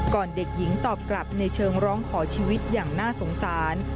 เด็กหญิงตอบกลับในเชิงร้องขอชีวิตอย่างน่าสงสาร